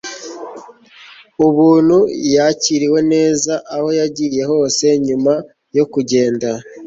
ubuntu, yakiriwe neza aho yagiye hose. nyuma yo kugenda